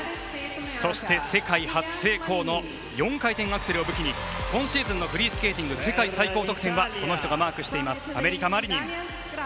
そして、世界初成功の４回転アクセルを武器に今シーズンフリースケーティング世界最高得点はこの人がマークしていますアメリカ、マリニン。